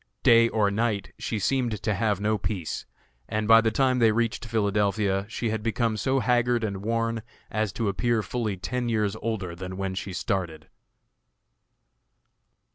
Day or night she seemed to have no peace, and by the time they reached Philadelphia she had become so haggard and worn as to appear fully ten years older than when she started.